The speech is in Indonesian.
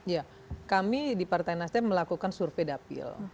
ya kami di partai nasdem melakukan survei dapil